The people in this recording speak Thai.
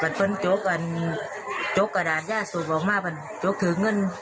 มันเป็นโจ๊กกระดาษย่าสูบบอกว่ามันโจ๊กถือเงิน